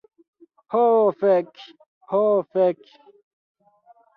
Ho fek' ho fek'...